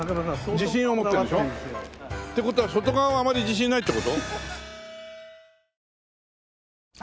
自信を持ってるんでしょ？って事は外側はあまり自信ないって事？